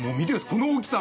この大きさ。